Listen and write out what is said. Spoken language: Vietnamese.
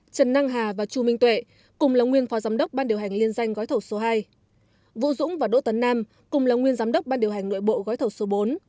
trần năng hà và chu minh tuệ cùng là nguyên phó giám đốc ban điều hành liên danh gói thẩu số hai vũ dũng và đỗ tấn nam cùng là nguyên giám đốc ban điều hành nội bộ gói thẩu số bốn